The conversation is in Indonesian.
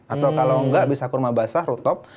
atau kalau nggak bisa kurma basah rutop